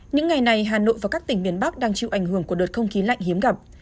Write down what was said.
những ngày này hà nội và các tỉnh miền bắc đang chịu ảnh hưởng của đợt không khí lạnh hiếm gặp